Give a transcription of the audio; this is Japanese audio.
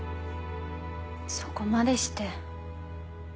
そこまでして。